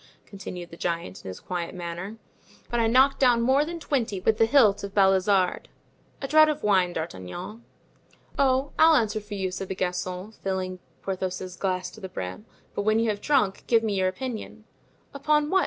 continued the giant, in his quiet manner; "but I knocked down more than twenty with the hilt of Balizarde. A draught of wine, D'Artagnan." "Oh, I'll answer for you," said the Gascon, filling Porthos's glass to the brim; "but when you have drunk, give me your opinion." "Upon what?"